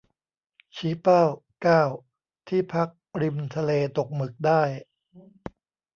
ชี้เป้า เก้า ที่พักริมทะเลตกหมึกได้